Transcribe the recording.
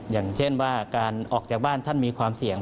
อย่างเช่นว่าการออกจากบ้านท่านมีความเสี่ยง